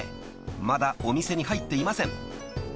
［まだお店に入っていません］